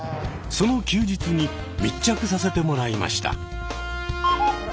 その休日に密着させてもらいました。